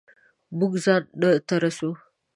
مونږ ځان ته رسو